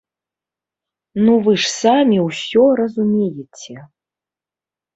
Ну вы ж самі ўсё разумееце!